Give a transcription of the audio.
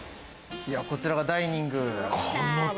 こちらがダイニング。